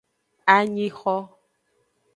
Anyixo.